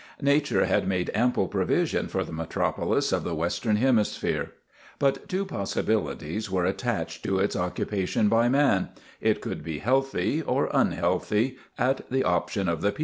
Nature had made ample provision for the metropolis of the western hemisphere. But two possibilities were attached to its occupation by man it could be healthy or unhealthy, at the option of the people.